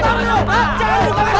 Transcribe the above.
jangan suka ngejualnya